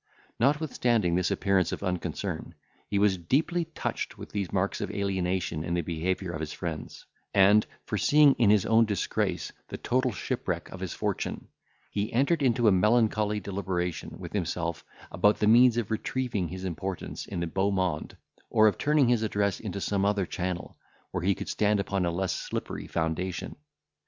Notwithstanding this appearance of unconcern, he was deeply touched with these marks of alienation in the behaviour of his friends, and, foreseeing in his own disgrace the total shipwreck of his fortune, he entered into a melancholy deliberation with himself about the means of retrieving his importance in the beau monde, or of turning his address into some other channel, where he could stand upon a less slippery foundation.